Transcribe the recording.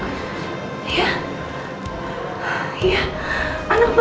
kamu aku pernah lupa